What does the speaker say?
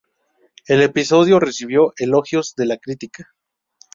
El episodio recibió elogios de la crítica.